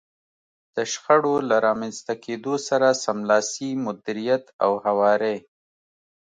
د شخړو له رامنځته کېدو سره سملاسي مديريت او هواری.